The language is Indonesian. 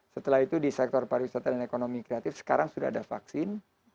setelah itu di sektor pariwisata dan ekonomi kreatif sekarang sudah ada vaksin